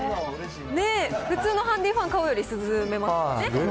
普通のハンディファン買うより涼めますよね。